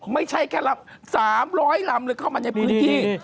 ไม่ใช่แค่ลำ๓๐๐ลำเลยเข้ามาในพื้นที่